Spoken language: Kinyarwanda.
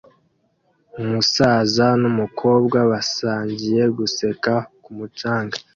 Umusaza numukobwa basangiye guseka ku mucanga